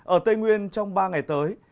ở tây nguyên trong ba ngày tới